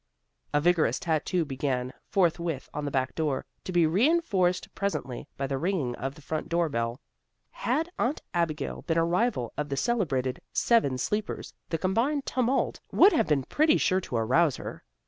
A vigorous tattoo began forthwith on the back door, to be reinforced presently by the ringing of the front door bell. Had Aunt Abigail been a rival of the celebrated Seven Sleepers the combined tumult would have been pretty sure to arouse her.